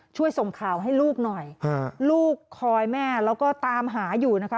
ช่วยส่งข่าวให้ลูกหน่อยลูกคอยแม่แล้วก็ตามหาอยู่นะคะ